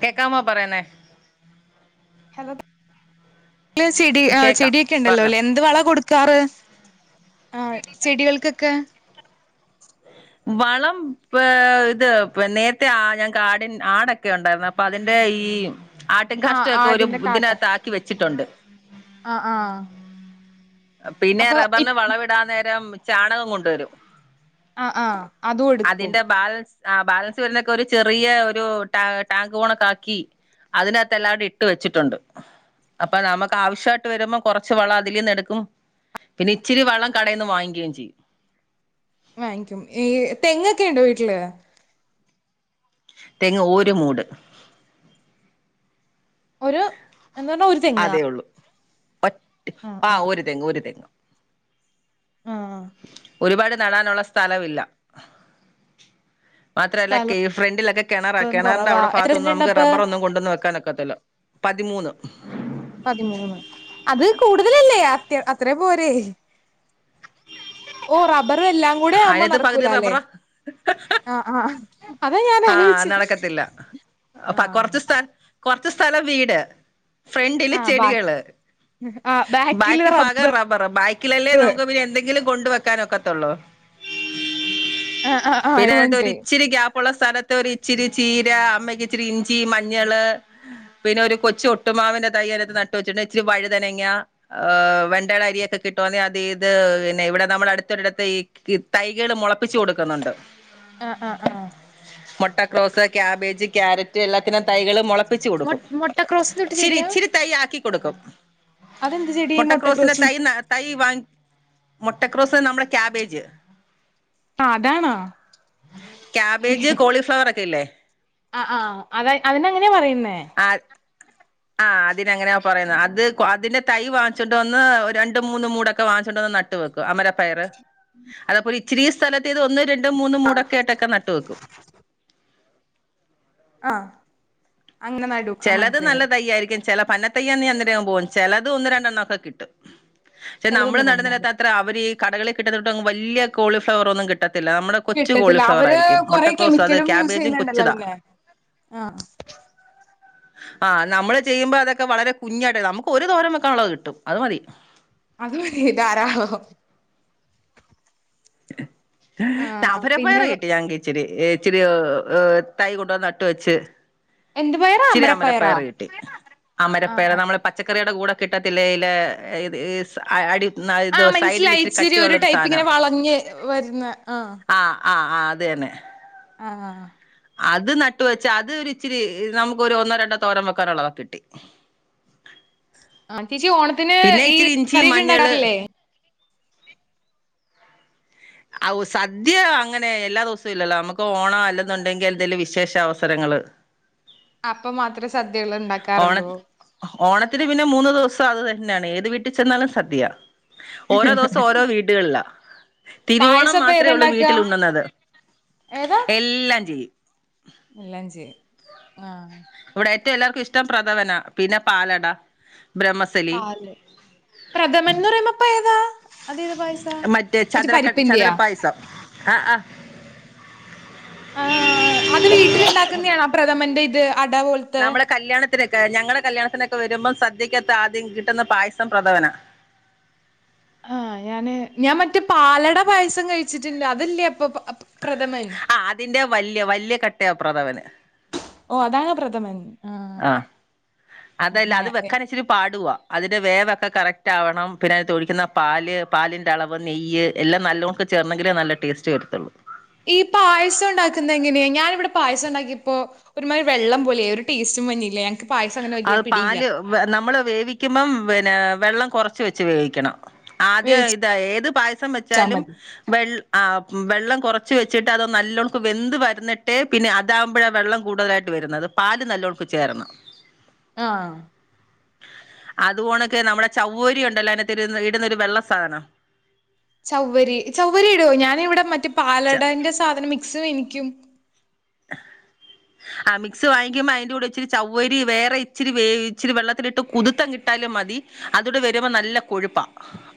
കേക്കാമോ പറയ്ണേ ഹലോ വീട്ടില് ചെടി ആ കേക്കാം ചെടിയൊക്കെ ഉണ്ടല്ലോ പറഞ്ഞോ അല്ലേ എന്ത് വളമാ കൊടു കാറ് ആ ചെടികൾക്ക്ക്കൊക്കെ വളം ഇത് പിൻ നേരത്തെ ആ ഞങ്ങ്ക്ക് ആടിൻ ആടൊക്കെ ഉണ്ടായിരുന്നു അപ്പൊ അതിന്റെ ഈ ആട്ട് കാഷ്ഠ ആഹ് ഒക്കെ ഒരു ഇതിന്റെ അകത്ത് ആക്കി വെച്ചിട്ടുണ്ട് ഹാ ഹാ പിന്നെ റബ്ബറിന് വളം ഇടാൻ നേരം ചാണകം കൊണ്ടുവരും ആ ആ അതു എടുക്കും അതിന്റെ ബാലൻസ് ആ ബാലൻസ് വരുന്നൊക്കെ ഒരു ചെറിയ ഒരു ടാ ടാങ്കോണൊക്കെ ആക്കി അതിനാത്ത് എല്ലാടെം ഇട്ട് വെച്ചിട്ടുണ്ട്, അപ്പൊ നമക്ക് ആവശ്യായിട്ട് വരുമ്പോ കൊറച്ച് വളം അതിലിന്ന് എടുക്കും പിന്നെ ഇച്ചിരി വളം കടേന്ന് വാങ്ങിക്കേം ചെയ്യും വാങ്ങിക്കും ഈ തെങ്ങൊക്കെണ്ടോ വീട്ടില് തെങ്ങ് ഓര് മൂട് ഒരു എന്ന് പറഞ്ഞാ ഒരു തെങ്ങാ ഒറ്റ് ആഹ് ആ ആഹ് ഒരു തെങ്ങ് ഒരു തെങ്ങ് ആഹ് ഒരുപാട് നടാനുള്ള സ്ഥലവില്ല മാത്രല്ല കെ സ്ഥലം ഫ്രണ്ടിലൊക്കെ കെണറാ കെണറിന്റെ കുറവാ അവടെ എത്ര ഭാഗത്തുന്നും നമുക്ക് സെന്റുണ്ടപ്പ റബ്ബർ ഒന്നും കൊണ്ടെന്ന് വെക്കാനൊക്ക ത്തില്ല പതിമൂന്ന് [unintelligible] ലില്ലേ അത്യ അത്രേം പോരെ ഓ റബ്ബറ് എല്ലാം കൂടെ ആവുമ്പോ അതിനകത്ത് പകുതി നടക്കൂലാല്ലേ റബ്ബറാ ആ ആ അതാ ഞാൻ ആ ആലോയിച്ച് നടക്കത്തില്ല ആ അപ്പ കൊറച്ച് സ്ഥ കൊറച്ച് സ്ഥലം വീട് ഫ്രണ്ടില് ആഹ് ബാ ചെടികള് ആഹ് ബാക്കില് ബാക്കി ഫാഗം റബ്ബറ് ബാക്കിലല്ലേ റബ്ബർ നമുക്ക് പിന്നെ എന്തെങ്കിലും കൊണ്ടുവെക്കാനൊക്കത്തുള്ളൂ ആഹ് ആഹ് ആഹ് പിന്നെ ഇപ്പ അയ്നാത്ത് മനസ്സിലായി ഒരിച്ചിരി ഗാപ് ഇപ്പുള്ള സ്ഥലത്ത് ഒരു ഇച്ചിരി ചീര അമ്മക്ക് ഇച്ചിരി ഇഞ്ചി മഞ്ഞള് പിന്നെ ഒരു കൊച്ചു ഒട്ടുമാവിന്റെ തൈ അയിനകത്ത് നട്ട് വെച്ച് [unintelligible] ഇച്ചിരി വഴുതനങ്ങ ഏഹ് വെണ്ടേടെ അരിയൊക്കെ കിട്ടും അതിനാത്ത് ഇത് പിന്നെ ഇവിടെ നമ്മടെ അടുത്തൊരിടത്ത് ഈ ഈ തൈകള് മൊളപ്പിച്ചു കൊടുക്കുന്നുണ്ട് ആ മൊട്ട ക്രോസ് ക്യാബേജ് കാരറ്റ് എല്ലാത്തിനും തൈകള് മൊള പ്പിച്ചു മൊ കൊടുക്കും മൊട്ടക്രോസ് തൊട്ട് ഇച്ചിരി ചെടിയാ ഇച്ചിരി തൈ ആക്കി കൊടുക്കും അതെന്ത് ചെടിയാ ഈ മൊട്ടക്രോസിന്റെ മൊട്ടക്രോസ് തൈ [unintelligible] തൈ വാങ്ങി മൊ മൊട്ടക്രോസ് നമ്മടെ ക്യാബേജ് ആ അതാണോ ക്യാബേജ് കോളിഫ്ലവർ ഒക്കെ ഇല്ലേ ആ ആഹ് അത അതിനങ്ങനെയാ പറയുന്നേ ആ ആഹ് അതിനങ്ങനെയാ പറയുന്നെ അത് അതിൻറെ തൈ വാങ്ങിച്ചോണ്ട് വന്ന് രണ്ട് മൂന്ന് മൂടൊക്കെ വാങ്ങിച്ചോണ്ട് വന്ന് നട്ട് വെക്കും അമരപ്പയറ് അതേപോലെ ഇച്ചിരി സ്ഥലത്തിത് ഒന്ന് രണ് ണ്ട് മൂന്ന് ആഹ് മൂടക്കെ യാട്ടൊക്കെ നട്ട് കേക്കും ആഹ് അങ്ങനെ നടും ആഹ് ചെലത് മനസ്സിലായി നല്ലതയ്യായിരിക്കും ചെല പന്ന തയ്യന്നെ അന്നേരെ പോവും ചെലത് ഒന്ന് രണ്ടെണ്ണോക്കെ കിട്ടും ചെല നമ്മള് ചിലതൊന്നും നടന്ന രണ്ടെണ്ണം അത്ര അവര് കടകിൽ കിട്ടന്നുട്ട് വല്യ കോളിഫ്ലവർ റൊന്നും കിട്ട് കിട്ടത്തില്ല അവര് കൊറെ മുട്ടക്രോസ് അത് കെമിക്കലും യൂസ് ക്യാബേജും ചെയ്യണുണ്ടല്ലോ കൊച്ചുതാ പിന്നെ ആ ആഹ് നമ്മള് ചെയ്യുമ്പോ അതൊക്കെ വളരെ കുഞ്ഞായിട്ടെ നമുക്ക് ഒരു തോരം വെക്കാനുള്ളത് കിട്ടും അത് മതി അത് പോയി ദ്ധരാണാവോ മരപ്പയറ് കിട്ടിയങ്കിച്ചിരി ഇച്ചിരി തൈ കൊണ്ടുവന്ന് നട്ട് വെച്ച് എന്ത് പയറാ ച്ചിരി അമരപ്പയറാ അമരപയർ കിട്ടി ആഹ് അമരപ്പയറ് ആഹ് നമ്മള് പച്ചക്ക ക്കറിയൂടെ കൂടെ കിട്ടത്തില്ല അടി ഇത് ആഹ സൈഡിൽ മനസ്സിലായി ഇച്ചിരി ഒരു കട്ടിയുള്ളൊരു ടൈപ്പ് ഇങ്ങനെ സാധനം വളഞ്ഞ് വരുന്ന ആഹ ആ് ആ അതന്നെ ആ ആ ആഹാ അത് നട്ടു വെച്ചാ അത് ഒരിച്ചിരി നമുക്കൊരു ഒന്നോ രണ്ടോ തോരം വെക്കാനോ ഉള്ളതൊ കിട്ടി ആ ചേച്ചി ഓണത്തിന് പിന്നെ ഈ ഇച്ചിരി ഇഞ്ചി സറി ക്കെ മഞ്ഞള് ഉണ്ടാക്കാറില്ലേ ഔ സദ്യ അങ്ങനെ എല്ലാ ദിവസവും ഇല്ലല്ലോ നമുക്ക് ഓണം അല്ലെന്നുണ്ടെങ്കിൽ എന്തെലും വിശേഷവസരങ്ങള് അപ്പ മാത്രെ സ് ഓണത്ത് ഓണത്തിന് പിന്നെ മൂന്നു ദിവസ് സം അത് തന്നാണ് ഏത് വീട്ടിൽ ചെന്നാലും സദ്യ ഓരോ ദിവസം ഓരോ വീടുകളിലാ തിരുവോണം പായസം അപ്പൊ മാത്രെ ഉള്ളൂ ഏതാണ്ടാക്ക വീട്ടിൽ ഉണ്ണുന്നത് ഏതാ എല്ലാം ചെയ്യും ഇല്ലഞ്ചി ആ ഇവിടെ എല്ലാർക്കും ഇഷ്ടം പ്രഥവന പിന്നെ പാലട ബ്രഹ്മസലി പാല് പ്രഥമൻന്ന് പറയുമ്പോ പ്പ ഏതാ അതെ താ മറ്റേ ചതരക്ക ചതരപ്പായസം ആ അ ആ അത് വീട്ടില ഉണ്ടാക്കുന്നതാണ് ആ പ്രഥമന്റെ ഇത് അട പോലത്തെ നമ്മളെ കല്യാണത്തി ഞങ്ങളുടെ കല്യാണത്തിനൊക്കെ വരുമ്പോം സദ്യക്കത്ത് ആദ്യം കിട്ടുന്ന പായസം പ്രഥവന ആഹ ഞാന് ഞാൻ മറ്റ പാലട പായസം കഴിച്ചിട്ടുണ്ട് അതല്ലേ അപ്പൊ പ- പ്രഥമൻ ആ അതിന്റെ വലിയ വലയ കട്ട പ പ്രാതാാവന് ഓ അതാാണ് പ്രഥമൻ ആ ആഹ അതല്ല അത് ഞാ- വെക്കാൻ ഇച്ചിരി പാടുവാ അതിന്റെ വേവൊക്കെ കറക്റ്റ് ആവണം പിന്നെ അതിന് തൊഴിക്കുന്ന പാല് പാലിൻന്റെ അളവ് നെയ്യ് എല്ലാം നല്ല നോുക്ക് ചേർന്നെങ്കിലേ നല്ല ടേസ്റ്റ് എടുത്തുള്ളു ഈ പായസം ഉണ്ടാക്കുന്ന എങ്ങനെയാ ഞാാന ഇവിടെ പായസം ഉണ്ടാക്കിയപ്പോൊ ഒരുമാതിരി വെള്ളം പോലെ ഒരു ടേസ്റ്റും മഞ്ഞില്ലേ ആ പാല് നമ്മള് വേവിക്കുമ്പം പിന്ന വെള്ളം കുറച്ച് വെച്ച് ഉപയോഗിക്കണം ആദ്യം വേവിച്ചാ ഇതാ ഏത് പായസം വെച്ചാലും മതി വെ ആ വെള്ളം കുറച്ച് വെച്ചിട്ട് അത്ോ നല്ലവോണക്ക് വെന്ത് വരന്നിട്ടേ പിന്നെ അതാകുമ്പോഴാ വെള്ളം കൂടുതലായിട്ട് വരുന്നത് അത് പാല് നല്ലവണക്ക് ചേർന്ന് ആഹ അതപോണൊക്കെ നമ്മുടെ ചൗവ്വരി ഉണ്ടല്ലോ അതിനത്ത് ഒരു ഇടുന്നരു വെള്ള സാധനം ചൗവരി ചൗവരി ഇടോ ഞാനൻ ഇവിടെ മറ്റേ ച പാലടന്റെ സാധന മിക്സ എനിക്ക് പക്കും [unintelligible] ആ മിക്സ് വാങ്ങിക്കുമ്പോ അതിന്റെ കൂടെ ഇച്ചിരി ചവ്വരി വേറെ ഇച്ചിരി വേ ഇച്ചിരി വെള്ളത്തിലിട്ട് കുതിത്തൻ കിട്ടാലും മതി അതുകൂടെ വരുമ്പോ നല്ല കൊഴുപ്പാ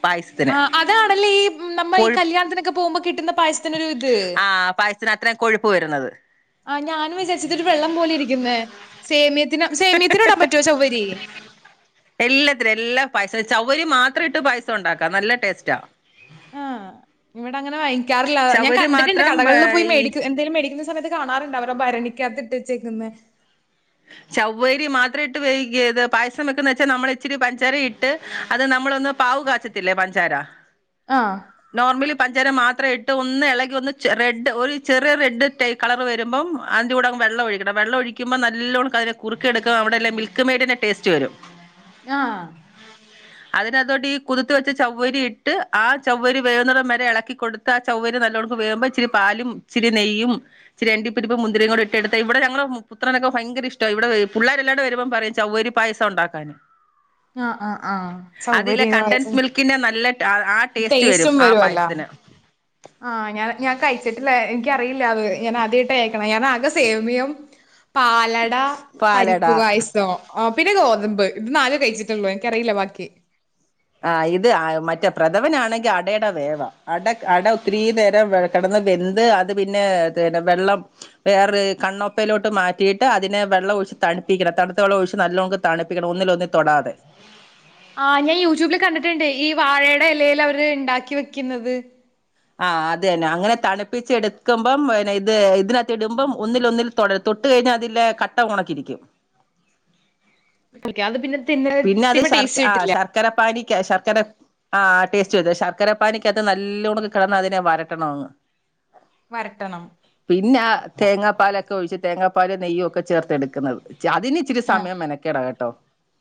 പായസത്തിന് ആ അതാണല്ലേ ഈ നമ്മ ഈ കൊഴു കല്യാണത്തിനൊക്കെ പോകുമ്പോ കിട്ടുന്ന പായസത്തിന ഒരു ഇത് ആ പായസത്തിന് അത്രയും കൊഴുപ്പ് വരുന്നത് ആ ഞാനും വിചാരിച്ചിട്ടൊ ഒരു വെള്ളം പോലെ ഇരിക്കുന്ന സേമ സേമിത്തിോടാൻ പറ്റുവോ ചൗവരി ചൗരി മാത്രം ഇട്ട് പൈസ ഉണ്ടാക്കാം നല്ല ടേസ്റ്റാ ആഹ് ഇവിടെ അങ്ങനെ വാിക്കാറില്ല ഞാൻ ചവ്വരി കണ്ടിട്ടുണ്ട് മാത്രം കടകളിൽ പോയി ഈ മേട എന്തലും മേടിക്കുന്ന സമയത്ത് കാണാറുണ്ട് അവരെ ഭരണിക്കാത്തിട്ട് ച്ചേക്ക്പ ചവ്വേരി മാത്ര ഇട്ട് വൈകിയത് പായസം വെക്കുന്ന വെച്ചാ നമ്മള ഇച്ചിരി പഞ്ചാര ഇട്ട് അത് നമ്മളൊന്ന പാവ് കാച്ചത്തില്ലേ പഞ്ചാര ആഹ് നോർമല പഞ്ചര മാത്രമ ഇട്ട് ഒന്ന് ഇളകി ഒന്ന് റെഡ് ഒരു ചെറിയ റെഡ് ടൈ് കളറ് വരുമ്പോ അതി്റെൂടെ വെള്ള ഒഴിക്കണം വെള്ളം ഒഴിക്കുമ്പോൾ നല്ല നല്ലെ കുുിയ എടുക്കും അവിടെ മിൽക്ക് മെയഡിന്റെ ടേസ്റ്റ് വരും ആഹ അതിനതുകൊണ്ട് ഈ കുതുത്ത് വെച്ച ചൗ്വരി ഇട്ട് ആ ചവ്വരി വേവുന്ന വരെ ഇളക്കി കൊടുത്ത് ആ ചൗവരി നല്ലവണ്ക്ക് വേുമ്പോ ഇിരി പാലും ചിരി നെയ്യും ചിരി രണ്ടിപ്പരി ഇപ്പ മുന്തിരിയും കൂടി ഇട്ട് എടുത്ത ഇവിടെ ഞങ്ങള പുത്രനൊക്കെ ഭയങ്കര ഇഷ്ട ഇവിടെ പിള്ളേരെല്ലാണ്ട് വരുമ്പോം പറയും ചര് പായസം ഉണ്ടാക്കാാന് ആഹ ആഹ ആഹ സൗകര്യ വായിച്ച കണ്ടൻസ് മിൽക്കിന്റെ നല്ല ആ ടേസ്റ്റ് വരും ടേസ്റ്റും ആ വരുവല്ല പായസത്തിന് ആ ഞാ ഞാൻ കഴി കേട്ടില്ല എനിക്കറിയില്ല അത് ഞാൻ ആദ്യായിട്ട് കേക്കണേ ഞാൻ ആകെ സേമിയം പാലട പരിപ്പ് പാലട പായസം ആ പിന്നെ ഗോതമ്പ് ഇത് നാല് കഴിച്ചിട്ടുള്ളൂ എനിക്കറിയില്ല ബാക്കി ആ ഇത് ആ മറ്റേ പ്രഥമനാണെങ്കി അടേടെ വേവാ അടക്ക് അട ഒത്തിരീ നേരം കെടന്ന് വെന്ത് അത് പിന്നെ [unintelligible] വേറെ കണ്ണോപ്പയിലോട്ട് മാറ്റിയിട്ട് അതിനെ വെള്ളം ഒഴിച്ച് തണുപ്പിക്കണം തണുത്ത വെള്ളം ഒഴിച്ച് നല്ലോക തണുപ്പിക്കണം ഒന്നിലും ഒന്നും തൊടാതെ ആ ഞാൻ യൂട്യൂബില് കണ്ടിട്ട്ണ്ട്, ഈ വാഴയുടെ എലേല് അവര് ഇണ്ടാക്കി വെക്ക്ന്നത്. ആഹ് അത് തന്നെ. അങ്ങനെ തണുപ്പിച്ച് എടുക്കുമ്പം പിന്നെ ഇത് ഇതിനകത്ത് ഇടുമ്പം ഒന്നിൽ ഒന്നിൽ തൊട, തൊട്ട് കഴിഞ്ഞാ അതിലെ കട്ട ഒണക്കിരിക്കും. പി പിന്നെ അത് ശർക് ആ ശർക്കരപ്പാനിക്ക് ശർ ക്കടം. ആ ടേസ്റ്റ് ചെയ്തോ. ശർക്കര പാനിക്കകത്ത് നല്ലോണം കിടന്ന് അതിനെ വരട്ടണമങ്ങ്. വരട്ടണം തേങ്ങാപ്പാലൊക്കെ ഒഴിച്ച് തേങ്ങാപ്പാലും നെയ്യും ഒക്കെ ചേർത്ത് എട്ക്ക്ന്നത്. ച് അതിനിച്ചിരി സമയം മെനക്കേടാ കെട്ടോ.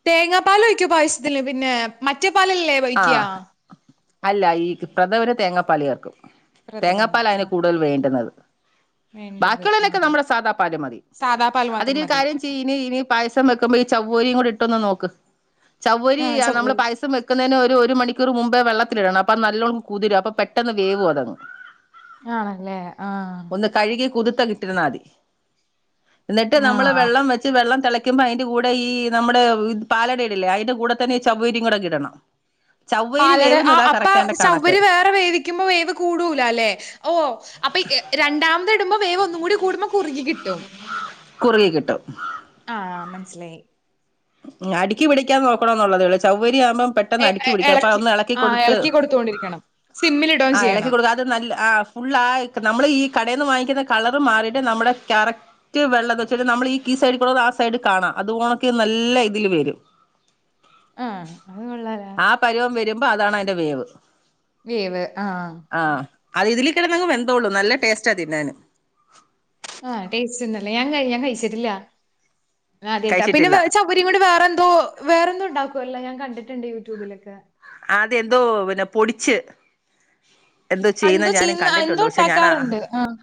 തേങ്ങാപ്പാല് ഒഴിക്കോ പായസത്തില് പിന്നേ? മറ്റേ പാലല്ലേ ഒഴിക്ക്യാ? ആഹ് അല്ല ഈ പ്രഥമന് തേങ്ങാപ്പാല് ചേർക്കും പ്രഥമന് തേങ്ങാപ്പാലാ അയിന് ആഹ് കൂടുതൽ വേണ്ട്ന്നത്. വേണ്ടത് ബാക്കിയ്ള്ളതിനൊക്കെ ആഹ് നമ്മുടെ സാധാപ്പാല് മതി. സാദാ പാൽ മാത്രം അതിന് മതി കാര്യം ചെയ്യ്, ഇനി ഇനി പായസം വെക്കുമ്പോ ഈ ചവ്വോരിയും കൂടി ഇട്ടൊന്ന് നോക്ക്. ചൗവ്വരി ആഹ് ചൊവ്വെ നമ്മള് പായസം വെക് ന്നേനു ഒരു ഒരു മണിക്കൂർ മുമ്പേ വെള്ളത്തിലിടണം. അപ്പ നല്ലോണം കുതിരും. അപ്പം പെട്ടന്ന് വേവു അതങ്ങ്. ആണല്ലേ ആഹ് ഒന്ന് കഴുകി കുതിർത്തന്നങ്ങിട്ടിരുന്നാ മതി. എന്നിട്ട് നമ്മള് ആഹ് വെള്ളം വെച്ച് വെള്ളം തെളയ്ക്കുമ്പോ അതിന്റെ കൂടെ ഈ നമ്മുടെ പാലടയിടില്ലേ? അതിന്റെ കൂടെ തന്നെ ഈ ചവ്വരിയും കൂടെ ഇടണം. ചവ്വരി പാലട ആ വേവുന്നതാ അപ്പ കറക്റ്റ് അതിന്റെ കണക്ക് ചൗവ്വരി വേറെ വേവിക്കുമ്പോ വേവ് കൂടൂലാല്ലേ? ഓ അപ്പൊ രണ്ടാമത് ഇടുമ്പം വേവ് ഒന്നും കൂടി കൂടുമ്പോ കുറുകി കിട്ടും കുറുകിക്കിട്ടും. സിലായി മ്മ് അടിക്ക് പിടിക്കാതെ നോക്കണോന്നുള്ളതേ ഉളളൂ ചവ്വരി രിയാകുമ്പോ പെട്ടെന്ന് എ അടിക്ക് എ പിടിക്കും. അപ്പോ അതൊന്ന് എളക്കി ആ കൊടുത്ത്, എളക്കി കൊടുത്തോണ്ടിരിക്കണം സിമ്മിലിടുകയും ആ ചെയ്യണം എളക്കിക്കൊടുക്കു അത് നല്ല ആ ഫുള്ളാ നമ്മള് ഈ കടേന്ന് വാങ്ങിക്ക്ന്ന കളറ് മാറിയിട്ട് നമ്മുടെ കറക്റ്റ് വെള്ളംന്ന് വെച്ചിട്ട് നമ്മളീ കീ സൈഡീക്കൂടെന്ന് ആ സൈഡീ കാണാം അത് കണക്ക് നല്ല ഇതില് വരും ആഹ് അത് കൊള്ളാലോ ആ പരുവം വരുമ്പോ അതാണ് അതിന്റെ വേവ്. വേവ് ആഹ് ആ അത് ഇതില് കിടന്നങ്ങ് വെന്തോളും. നല്ല ടേസ്റ്റാ തിന്നാന്. ആ ടേസ്റ്റ് ഇണ്ടല്ലേ? ഞാൻ ഞാൻ കഴിച്ചിട്ടില്ലാ ആദ്യായിട്ടാ. പിന്നെ കഴിച്ചിട്ടില്ല വേ ചവ്വരീം കൊണ്ട് വേറെന്തോ വേറെന്തോ ഇണ്ടാ വല്ല. ഞാൻ കണ്ടിട്ട്ണ്ട് യൂട്യൂബിലൊക്കെ. അതെന്തോ പിന്നെ പൊടിച്ച് അ ചെയ്യുന്ന എന്തോ ഞാനും ചെയ്യ്ന്ന, കണ്ടിട്ടുണ്ട് എന്തോ പക്ഷെ ഞാനാ ഇണ്ടാക്കാറ്ണ്ട്. ആഹ്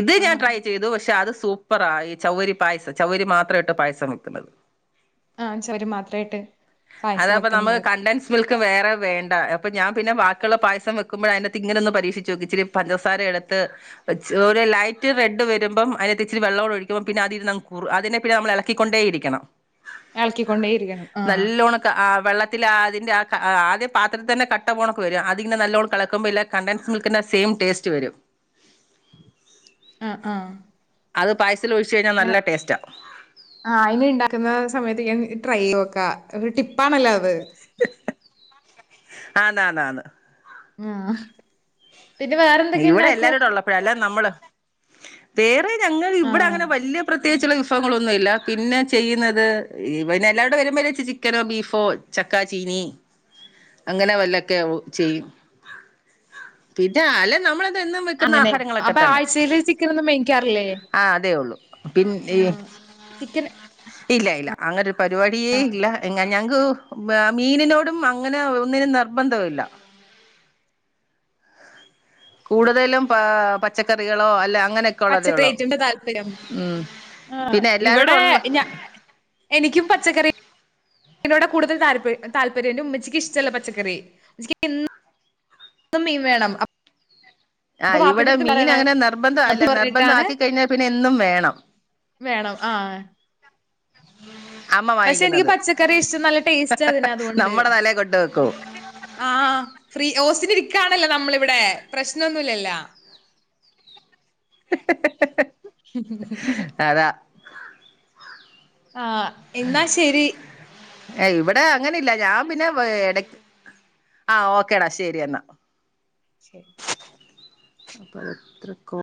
ഇത് ഞാൻ ആഹ് ട്രൈ ചെയ്തു. പക്ഷെ അത് സ് സൂപ്പറാ ഈ ചൗവ്വരി പായസം ചൗവ്വരി മാത്രം ഇട്ട് പായസം വയ്ക്കുന്നത് ആഹ് ചൗവ്വരി മാത്രായിട്ട് പായസം അതപ്പ നമ്മുക്ക് വെക്കുന്നത് കണ്ടൻസ് മിൽക്ക് വേറെ വേണ്ട അപ്പ ഞാൻ പിന്നെ ബാക്കിയുള്ള പായസം വെക്കുമ്പോഴതിനാത്ത് ഇങ്ങനൊന്ന് പരീക്ഷിച്ചു നോക്കും ഇച്ചിരി പഞ്ചസാര എടുത്ത് ഒരു ലൈറ്റ് റെഡ് വരുമ്പം അതിനകത്ത് ഇച്ചിരി വെള്ളോട് ഒഴിക്കുമ്പോ പിന്നെ അതിരുങ്ങ് കുറു അതിനെ പിന്നെ നമ്മൾ ഇളക്കിക്കൊണ്ടേ ഇരിക്കണം ഇളക്കിക്കൊണ്ടേ ഇരിക്കണം ആഹ് ആ വെള്ളത്തിൽ അതിന്റെ ആ ആദ്യം പാത്രത്തിതന്നെ കട്ട പോണക്ക് വരും അതിങ്ങനെ നല്ലോണക്കിളക്കുമ്പോ ഇല്ല കണ്ടൻസ് മിൽക്കിന്റെ സെയിം ടേസ്റ്റ് വരും അത് പായസ ങ്ങനെ ആ ഇനി ഇണ്ടാക്കുന്ന സമയത്ത് ഞാൻ ട്രൈ [unintelligible] [unintelligible] ഒരു ടിപ്പാണല്ലോ അത് [inaudible] ആന്നാന്നാന്ന് ആഹ് പിന്നെ വേറെന്തൊക്കെ ഇവിടെ ഇണ്ടാക്കും എല്ലാരൂടെ ഉള്ളപ്പോഴാ അല്ല നമ്മള് വേറെ ഇവിടെ ആഹ് അങ്ങനെ വല്യ [unintelligible] പ്രത്യേകിച്ചുള്ള വിഭവങ്ങളൊന്നുമില്ല പിന്നെ ചെയ്യുന്നത് പിന്നെ എല്ലാവരൂടെ വരുമ്പോ ചിക്കനോ ബീഫോ ചക്കാ ചീനി അങ്ങനെ വല്ലൊക്കെ ചെയ്യും പിന്നെ അല നമ്മള എന്നും വെക്കുന്ന അങ്ങനെ ആഹാരങ്ങളൊക്കെ അപ്പൊ തന്നെ ആഴ്ചയില് ചിക്കനൊന്നും മേടിക്കാറില്ലേ ആ അതേ ഉള്ളൂ പി ആഹ് ചിക്കൻ [unintelligible] ഇല്ല ഇല്ല അങ്ങനെ പരിപാടിയേ ഇല്ല എങ്ങന ഞങ്ങക്ക് മീനിനോടും അങ്ങനെ ഒന്നിനും നിർബന്ധവില്ല കൂടുതലും പ പച്ചക്കറികളോ അല്ല അങ്ങനെയൊക്കെ ഉള്ളതേ പച്ചക്കറി ഉള്ളൂ [unintelligible] താല്പര്യം ഉം ആ പിന്നെ എല്ലാരോടും ഇവിടെ ഉള്ള ഞാ എനിക്കും പച്ചക്കറി [unintelligible] കൂടുതൽ താല്പ താല്പര്യം ന്റെ ഉമ്മച്ചിക്ക് ഇഷ്ടല്ല പച്ചക്കറി [inaudible] മീൻ വേണം അപ്പൊ ആഹ് വാപ്പിന്റെ ഇവിടെ അടുത്ത് മീൻ പറയണേ അങ്ങനെ അപ്പൊ നിർബന്ധവല്ല നിർബന്ധം പറഞ്ഞിട്ടാണ് ആക്കി കഴിഞ്ഞാൽ പിന്നെ എന്നും വേണം വേണം ആഹ് അമ്മ പക്ഷെ എനിക്ക് വാങ്ങിക്കുന്നത് പച്ചക്കറി ഇഷ്ടം നല്ല ടേസ്റ്റ് അതിന് അതുകൊണ്ട് നമ്മുടെ തലേ കൊണ്ട് വെക്കും ആ ഫ്രീ ഓസിന് [unintelligible] ണല്ലോ നമ്മളിവിടെ പ്രശ്നൊന്നുല്ലല്ലാ അതാ [unintelligible] ആഹ് എന്നാ ശെരി ഏഹ് ഇവിടെ അങ്ങനെ ഇല്ല ഞാൻ പിന്നെ എടക് ആഹ് ഓക്കേടാ ശെരി എന്നാ ശരി അപ്പൊ എത്രക്കോ